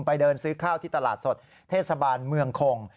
เดินซื้อข้าวที่ตลาดสดเทศบาลเมืองคง